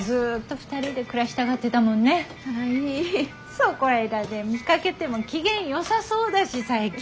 そこいらで見かけても機嫌よさそうだし最近。